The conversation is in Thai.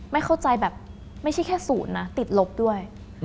ไม่เข้าใจแบบไม่ใช่แค่ศูนย์นะติดลบด้วย